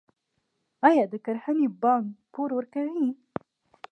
آیا د کرنې بانک پور ورکوي؟